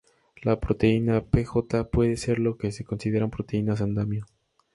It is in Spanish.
La proteína pJ puede ser lo que se consideran proteínas "andamio".